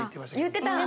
言ってた！